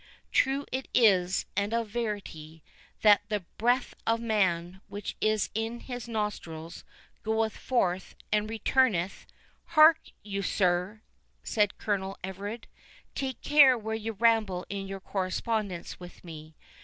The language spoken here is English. True it is, and of verity, that the breath of man, which is in his nostrils, goeth forth and returneth"— "Hark you, sir," said Colonel Everard, "take care where you ramble in your correspondence with me.